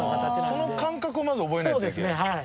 その感覚をまず覚えないといけない。